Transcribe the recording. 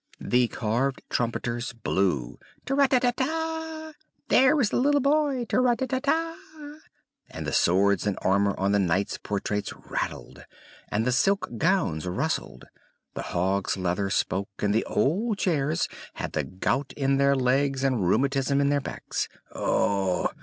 The carved trumpeters blew, "Trateratra! There is the little boy! Trateratra!" and the swords and armor on the knights' portraits rattled, and the silk gowns rustled; the hog's leather spoke, and the old chairs had the gout in their legs and rheumatism in their backs: Ugh!